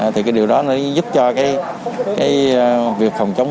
thì điều đó giúp cho việc phòng chống